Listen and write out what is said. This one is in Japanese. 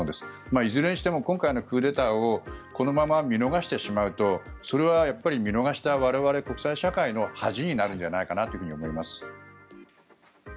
いずれにしても今回のクーデターをこのまま見逃してしまうとそれは見逃した我々、国際社会の恥になるんじゃないかなと思います。